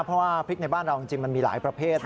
เพราะว่าพริกในบ้านเราจริงมันมีหลายประเภทนะ